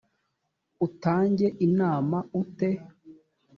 utange inama ute